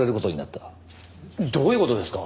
どういう事ですか？